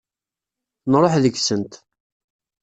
Nruḥ deg-sent.